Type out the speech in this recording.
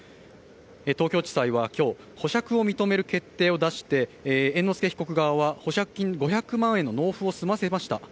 東京地裁は今日、保釈を認める決定を出して、猿之助被告側は保釈金５００万円の納付を済ませました。